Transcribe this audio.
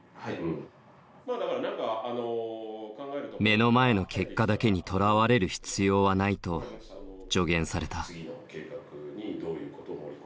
目の前の結果だけにとらわれる必要はないと助言された。